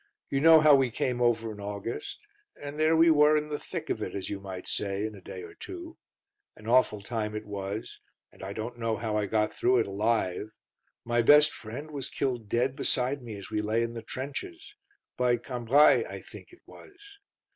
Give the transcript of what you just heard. You know how we came over in August, and there we were in the thick of it, as you might say, in a day or two. An awful time it was, and I don't know how I got through it alive. My best friend was killed dead beside me as we lay in the trenches. By Cambrai, I think it was.